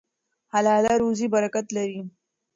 حلاله روزي برکت لري.